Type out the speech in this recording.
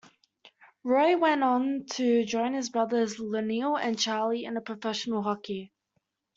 Roy went on to join his brothers Lionel and Charlie in professional hockey.